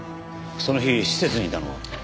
その日施設にいたのは？